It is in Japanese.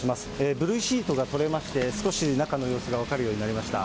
ブルーシートが取れまして、少し中の様子が分かるようになりました。